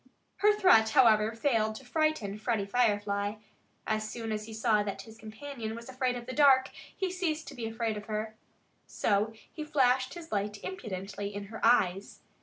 Her threat, however, failed to frighten Freddie Firefly. As soon as he saw that his companion was afraid of the dark, he ceased to be afraid of her. So he flashed his light impudently in her eyes.